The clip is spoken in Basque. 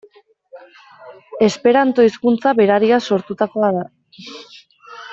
Esperanto hizkuntza berariaz sortutakoa da.